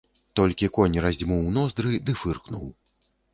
Толькі конь раздзьмуў ноздры ды фыркнуў.